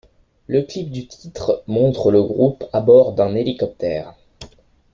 Le clip du titre montre le groupe à bord d'un hélicoptère.